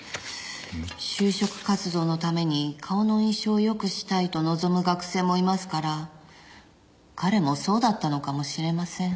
就職活動のために顔の印象を良くしたいと望む学生もいますから彼もそうだったのかもしれません。